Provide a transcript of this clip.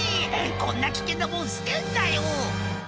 「こんな危険なもん捨てんなよ！」